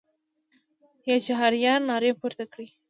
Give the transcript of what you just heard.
یا چهاریار نارې پورته کړې.